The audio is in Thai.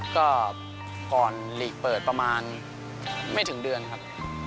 ก็ก่อนหลีกเปิดประมาณไม่ถึงเดือนครับ